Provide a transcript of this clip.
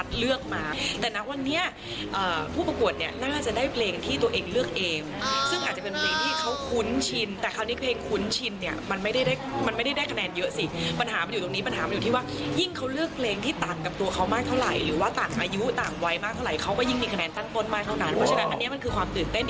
ซึ่งอาจจะเป็นเพลงที่เขาคุ้นชินแต่คราวนี้เพลงคุ้นชินเนี่ยมันไม่ได้ได้มันไม่ได้ได้คะแนนเยอะสิปัญหามันอยู่ตรงนี้ปัญหามันอยู่ที่ว่ายิ่งเขาเลือกเพลงที่ต่างกับตัวเขามากเท่าไหร่หรือว่าต่างอายุต่างวัยมากเท่าไหร่เขาก็ยิ่งมีคะแนนตั้งต้นมากเท่านั้นเพราะฉะนั้นอันนี้มันคือความตื่นเต้น